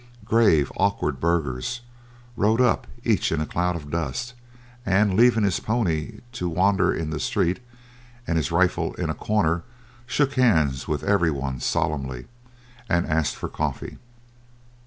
Grave, awkward burghers rode up, each in a cloud of dust, and leaving his pony to wander in the street and his rifle in a corner, shook hands with every one solemnly, and asked for coffee.